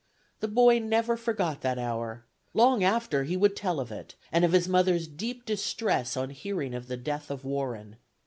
The boy never forgot that hour. Long after he would tell of it, and of his mother's deep distress on hearing of the death of Warren.